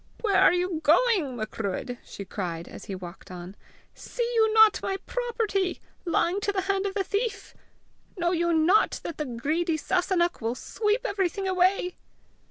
"Where are you going, Macruadh?" she cried, as he walked on. "See you not my property lying to the hand of the thief? Know you not that the greedy Sasunnach will sweep everything away!"